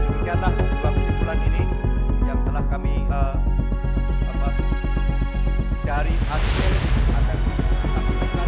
berkata dua kesimpulan ini yang telah kami dari asil akan diperhatikan